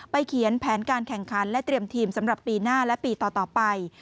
เขียนแผนการแข่งขันและเตรียมทีมสำหรับปีหน้าและปีต่อไป